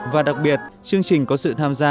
và đặc biệt chương trình có sự tham gia